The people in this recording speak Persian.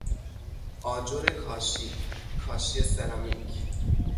آجر کاشی، کاشی سرامیک